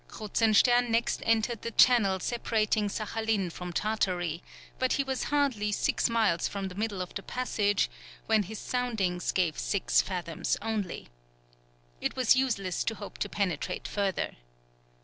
Kruzenstern next entered the channel separating Saghalien from Tartary, but he was hardly six miles from the middle of the passage when his soundings gave six fathoms only. It was useless to hope to penetrate further.